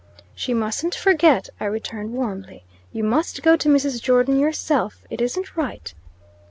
"She mustn't forget," I returned, warmly. "You must go to Mrs. Jordon yourself. It isn't right."